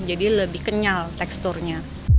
jadi lebih kenyal teksturnya